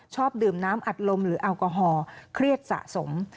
ชอบดื่มน้ำอัดลมหรือแอลกอฮอล์เครียดสะสม